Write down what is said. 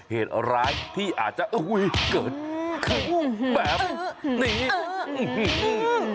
เหตุร้ายที่อาจจะเกิดขึ้นแบบนี้